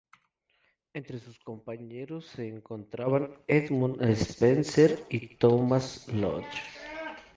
Entre sus compañeros se encontraban Edmund Spenser y Thomas Lodge.